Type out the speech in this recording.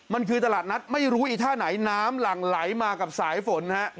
มันคือตลาดนัดไม่รู้อีท่าไหนน้ำหลั่งไหลมากับสายฝนฮะ